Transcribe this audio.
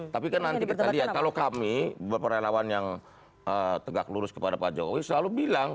tapi kan nanti kita lihat kalau kami beberapa relawan yang tegak lurus kepada pak jokowi selalu bilang